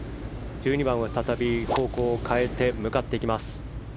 １２番は再び方向を変えて向かっていきます。